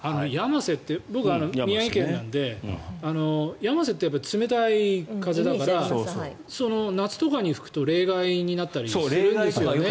僕は宮城県なのでやませって冷たい風だから夏とかに吹くと冷害になったりするんだよね。